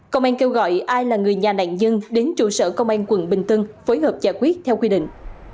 công an kêu gọi ai là người nhà nạn nhân đến trụ sở công an quận bình tân phối hợp giải quyết theo quy định